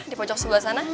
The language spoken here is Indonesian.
di pojok sebelah sana